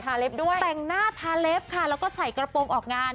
ทาเล็บด้วยค่ะแล้วก็ใส่กระโปรงออกงาน